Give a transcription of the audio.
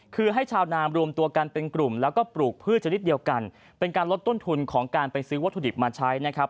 คือให้ชาวนามรวมตัวกันเป็นกลุ่มแล้วก็ปลูกพืชชนิดเดียวกันเป็นการลดต้นทุนของการไปซื้อวัตถุดิบมาใช้นะครับ